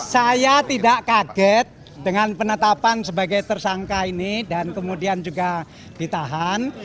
saya tidak kaget dengan penetapan sebagai tersangka ini dan kemudian juga ditahan